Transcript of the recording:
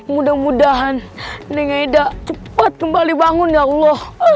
mudah mudahan neng aida cepet kembali bangun ya allah